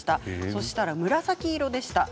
そしたら紫色でした。